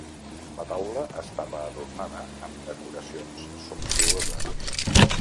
La taula estava adornada amb decoracions sumptuoses.